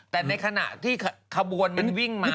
แต่ในขณะที่ขบวนมันวิ่งมา